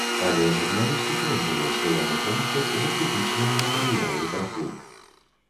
Але журналіст упэўнены, што яму помсцяць за крытычныя матэрыялы пра клуб.